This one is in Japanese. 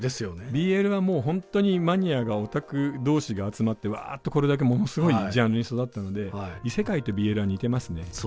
ＢＬはもうホントにマニアがオタク同士が集まってわってこれだけものすごいジャンルに育ったので異世界とＢＬは似てますね。